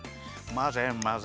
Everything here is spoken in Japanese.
まぜまぜ！